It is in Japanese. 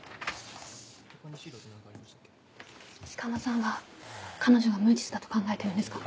鹿浜さんは彼女が無実だと考えてるんですか？